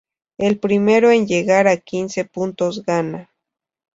El primero en llegar a quince puntos gana.